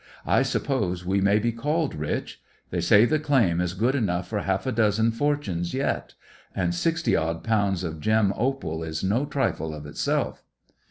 I suppose we may be called rich. They say the claim is good enough for half a dozen fortunes yet; and sixty odd pounds of gem opal is no trifle, of itself."